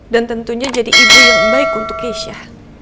dan tentunya jadi ibu yang baik untuk keisha